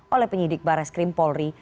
oleh penyidik barai skrim polri